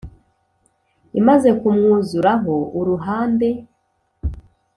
imaze kumwuzuraho uruhande